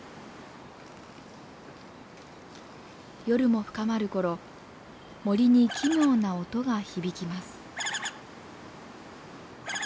夜も深まる頃森に奇妙な音が響きます。